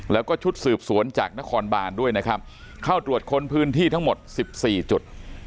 แล้วก็ชุดสืบสวนจากนครบานด้วยนะครับเข้าตรวจค้นพื้นที่ทั้งหมดสิบสี่จุด